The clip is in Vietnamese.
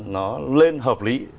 nó lên hợp lý